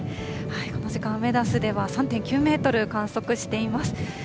この時間、アメダスでは３．９メートル観測しています。